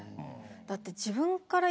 だって。